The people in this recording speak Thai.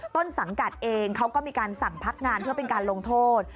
ต้นสังกัดเองเขาก็มีการสั่งพักงานเพื่อเป็นการลงโทษ